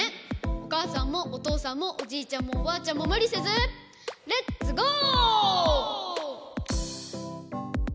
おかあさんもおとうさんもおじいちゃんもおばあちゃんもむりせずレッツゴー！